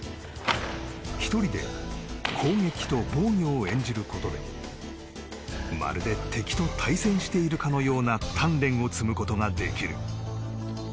１人で攻撃と防御を演じることでまるで敵と対戦しているかのような鍛錬を積むことができる。